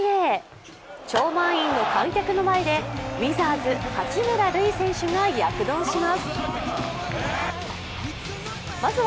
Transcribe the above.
超満員の観客の前でウィザーズ・八村塁選手が躍動します。